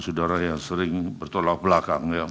saudara yang sering bertolak belakang ya